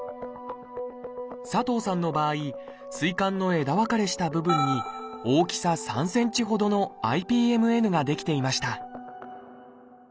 佐藤さんの場合膵管の枝分かれした部分に大きさ３ｃｍほどのＩＰＭＮが出来ていました